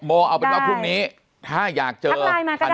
โมเอาเป็นว่าพรุ่งนี้ถ้าอยากเจอถักไลน์มาก็ได้ค่ะ